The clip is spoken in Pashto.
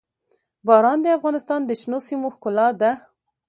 باران د افغانستان د شنو سیمو ښکلا ده.